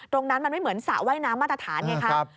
ตรงนั้นมันไม่เหมือนสระว่ายน้ำมาตรฐานไงครับ